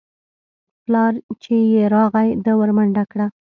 پلار چې يې راغى ده ورمنډه کړه.